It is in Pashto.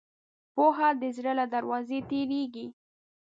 پوهه د زړه له دروازې تېرېږي.